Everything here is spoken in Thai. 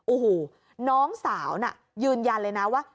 โอ้โหน้องสาวน่ะยืนยันเลยนะว่า